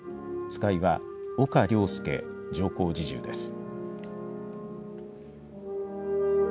使いは岡良介上皇侍従です。